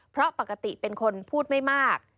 เพราะปกติเป็นคนพูดไม่มาก